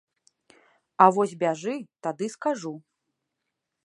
А вось бяжы, тады скажу.